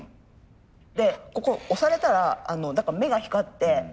でここ押されたら目が光って尻尾ブルッ